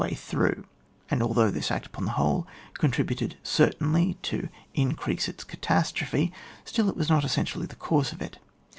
way through; and although this act upon the whole contributed certainly to increase its catastrophe, still it was not essentially the cause of it.